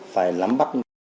phải lắm bắt